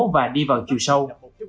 và đi vào chiều sâu